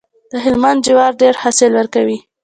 د هلمند جوار ډیر حاصل ورکوي.